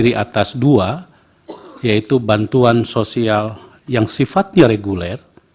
dari atas dua yaitu bantuan sosial yang sifatnya reguler